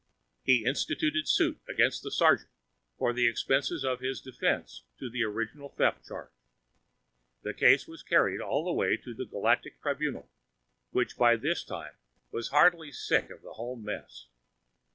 He instituted suit against the sergeant for the expenses of his defense to the original theft charge. The case was carried all the way to the Galactic Tribunal, which by this time was heartily sick of the whole mess.